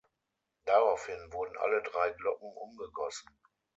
Daraufhin wurden alle drei Glocken umgegossen.